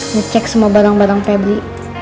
ngecek semua barang barang febri